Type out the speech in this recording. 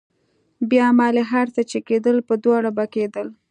بيا مالې هر څه چې کېدل په دواړو به کېدل.